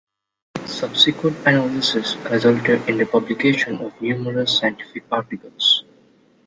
Subsequent analysis resulted in the publication of numerous scientific articles.